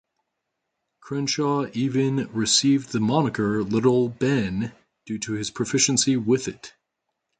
Crenshaw even received the moniker "Little Ben" due to his proficiency with it.